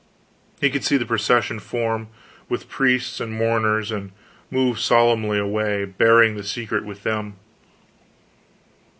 He could see the procession form, with priests and mourners, and move solemnly away, bearing the secret with them.